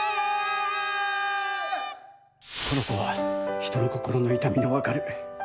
この子は人の心の痛みの分かる